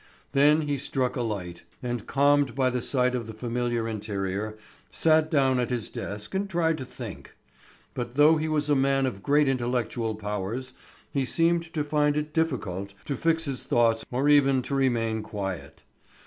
Then he struck a light, and calmed by the sight of the familiar interior, sat down at his desk and tried to think. But though he was a man of great intellectual powers, he seemed to find it difficult to fix his thoughts or even to remain quiet.